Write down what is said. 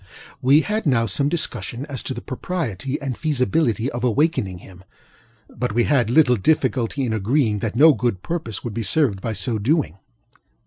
We had now some discussion as to the propriety and feasibility of awakening him; but we had little difficulty in agreeing that no good purpose would be served by so doing.